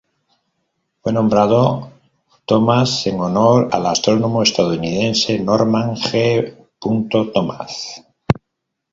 Fue nombrado Thomas en honor al astrónomo estadounidense Norman G. Thomas.